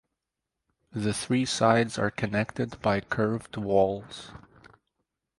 The three sides are connected by curved walls.